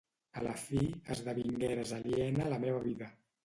A la fi, esdevingueres aliena a la meva vida.